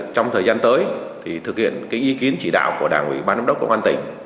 trong thời gian tới thực hiện ý kiến chỉ đạo của đảng ủy ban đông đốc công an tỉnh